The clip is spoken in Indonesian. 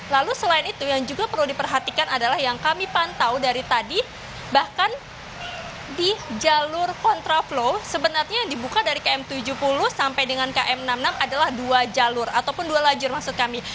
lalu selain itu yang juga perlu diperhatikan adalah yang kami pantau dari tadi bahkan di jalur kontraflow sebenarnya yang dibuka dari km tujuh puluh sampai dengan km enam puluh enam adalah dua jalur ataupun dua lajur maksud kami